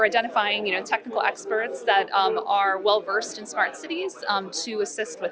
jadi kami mencari teknis yang baik dan berperan di smart city untuk membantu